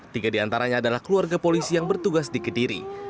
tiga diantaranya adalah keluarga polisi yang bertugas di kediri